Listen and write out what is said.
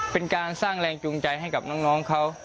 เป็นการสร้างแรงจูงใจให้กับน้องเขา